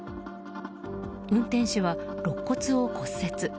運転手は、ろっ骨を骨折。